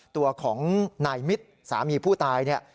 ตัวของนายมิตรสามีผู้ตาย